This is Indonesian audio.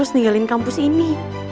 harus ninggalin kampus ini